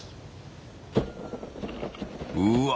うわ